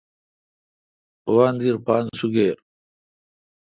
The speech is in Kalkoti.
وندیر پان سگِر۔